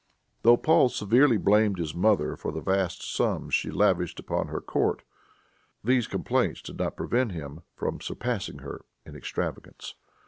Though Paul severely blamed his mother for the vast sums she lavished upon her court, these complaints did not prevent him from surpassing her in extravagance.